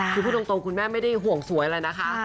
คือพูดตรงคุณแม่ไม่ได้ห่วงสวยอะไรนะคะ